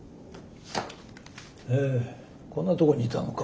へえこんなとこにいたのか。